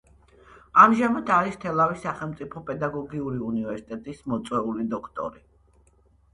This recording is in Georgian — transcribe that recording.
ამჟამად არის თელავის სახელმწიფო პედაგოგიური უნივერსიტეტის მოწვეული დოქტორი.